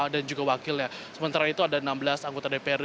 dan juga wakilnya sementara itu ada enam belas anggota dprd